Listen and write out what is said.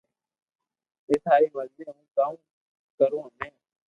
جي تاري مرزي ھون ڪاوُ ڪارو ھمي